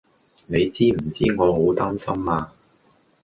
你知唔知我好擔心呀